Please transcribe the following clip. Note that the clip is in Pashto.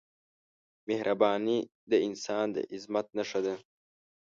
مهرباني د انسان د عظمت نښه ده.